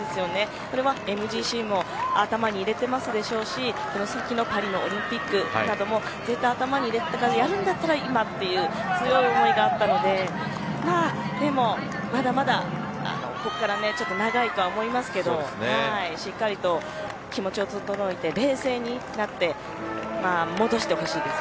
それはＭＧＣも頭に入れているでしょうしオリンピックも頭に入れてやるなら今という強い思いがあったのでまだまだここから長いとは思いますがしっかりと気持ちを整えて冷静になって戻してほしいです。